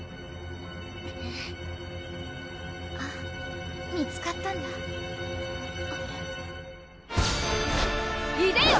あっ見つかったんだあれ？